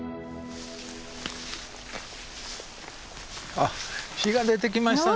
あっ日が出てきましたね。